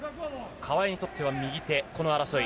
川井にとっては右手、この争い。